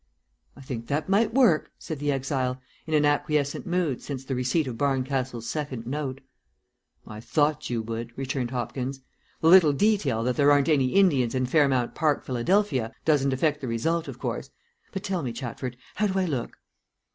"I think that might work," said the exile, in an acquiescent mood since the receipt of Barncastle's second note. "I thought you would," returned Hopkins. "The little detail that there aren't any Indians in Fairmount Park, Philadelphia, doesn't affect the result, of course. But tell me, Chatford, how do I look?"